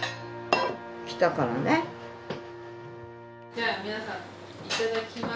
じゃあ皆さん頂きます。